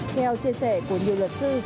theo chia sẻ của nhiều luật sư